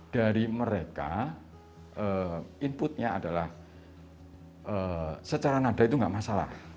dari mereka inputnya adalah secara nada itu tidak masalah